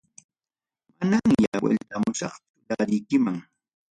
Manamya vueltamusaqchu, laduykiman.